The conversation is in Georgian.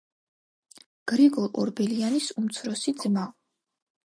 გრიგოლ ორბელიანის უმცროსი ძმა.